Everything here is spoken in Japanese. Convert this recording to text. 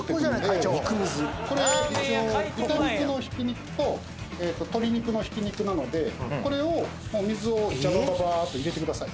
これ一応豚肉のひき肉と鶏肉のひき肉なのでこれを水をジャバババーッと入れてください